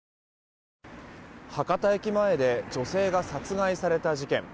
博多駅前で女性が殺害された事件。